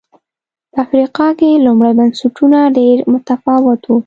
په افریقا کې لومړي بنسټونه ډېر متفاوت و